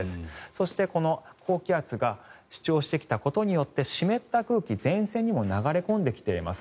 そして、この高気圧が主張してきたことによって湿った空気が前線にも流れ込んできています。